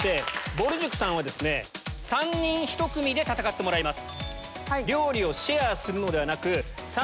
ぼる塾さんは３人１組で戦ってもらいます。